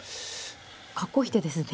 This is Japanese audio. かっこいい手ですね。